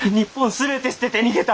全て捨てて逃げた。